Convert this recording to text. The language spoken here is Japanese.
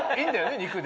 肉で。